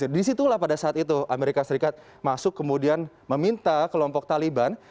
disitulah pada saat itu amerika serikat masuk kemudian meminta kelompok taliban